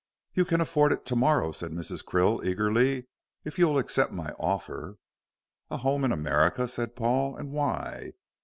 "You can afford it to morrow," said Mrs. Krill, eagerly, "if you will accept my offer." "A home in America," said Paul, "and why?"